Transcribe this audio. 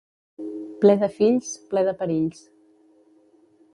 Ple de fills, ple de perills.